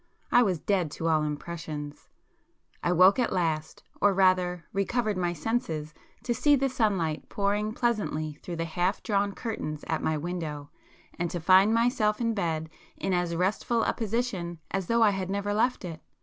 I was dead to all impressions. I woke at last, or rather recovered my senses to see the sunlight pouring pleasantly through the half drawn curtains at my window, and to find myself in bed in as restful a position as though I had never left it.